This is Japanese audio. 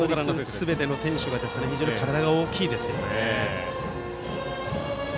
すべての選手が非常に体が大きいですよね。